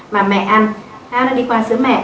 mà mẹ ăn hay là đi qua sữa mẹ